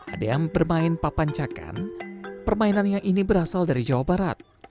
ada yang bermain papancakan permainan yang ini berasal dari jawa barat